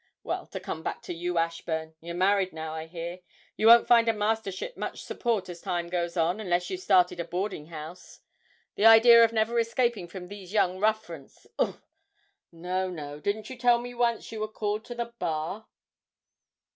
Well, to come back to you, Ashburn, you're married now, I hear; you won't find a mastership much support as time goes on, unless you started a boarding house the idea of never escaping from these young ruffians, ugh! No, no, didn't you tell me once you were called to the Bar?'